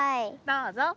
どうぞ。